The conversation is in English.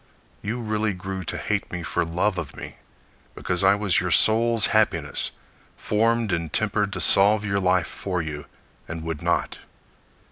You really grew to hate me for love of me, Because I was your soul's happiness, Formed and tempered To solve your life for you, and would not.